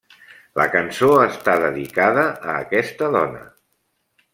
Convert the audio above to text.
La cançó està dedicada a aquesta dona.